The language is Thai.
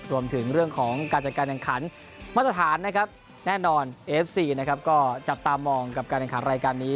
รวมถึงเรื่องของการจัดการแข่งขันมาตรฐานนะครับแน่นอนเอฟซีนะครับก็จับตามองกับการแข่งขันรายการนี้